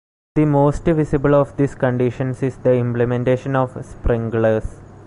The most visible of these conditions is the implementation of sprinklers.